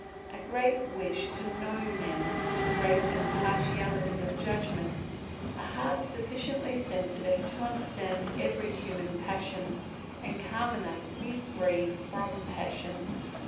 A great wish to know men, great impartiality of judgment, a heart sufficiently sensitive to understand every human passion, and calm enough to be free from passion.